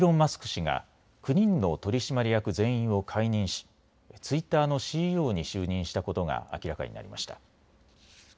氏が９人の取締役全員を解任しツイッターのＣＥＯに就任したことが明らかになりました。